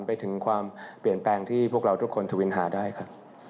ไปถึงความเปลี่ยนแปลงที่พวกเราทุกคนทวินหาได้ครับ